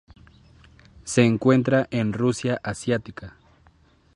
Se encuentra en Rusia asiática.